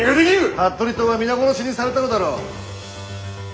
服部党は皆殺しにされたのだろう。